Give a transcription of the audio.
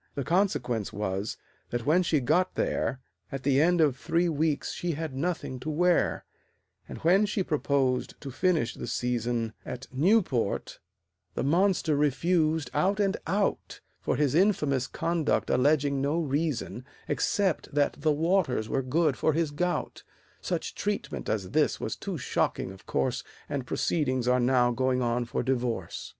The consequence was, that when she got there, At the end of three weeks she had nothing to wear; And when she proposed to finish the season At Newport, the monster refused, out and out, For his infamous conduct alleging no reason, Except that the waters were good for his gout; Such treatment as this was too shocking, of course, And proceedings are now going on for divorce.